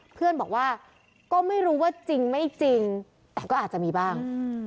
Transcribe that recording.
เพื่อนบอกว่าก็ไม่รู้ว่าจริงไม่จริงแต่ก็อาจจะมีบ้าง